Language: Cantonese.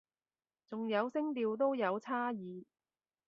仲有聲調都有差異